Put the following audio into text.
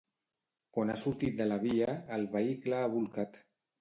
Quan ha sortit de la via, el vehicle ha bolcat.